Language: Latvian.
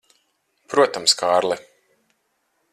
Protams, Kārli.